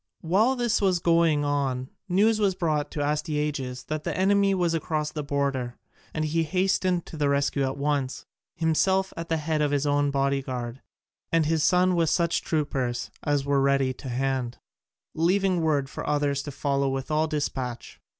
While this was going on news was brought to Astyages that the enemy was across the border, and he hastened to the rescue at once, himself at the head of his own body guard, and his son with such troopers as were ready to hand, leaving word for others to follow with all despatch.